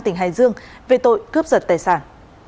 tỉnh hải dương về tội cướp giật tài sản